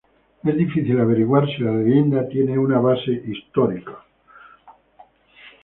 Es difícil averiguar si la leyenda tiene una base histórica.